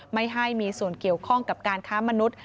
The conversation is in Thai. ไม่ให้มีส่วนเกี่ยวข้องกับการค้ามนุษย์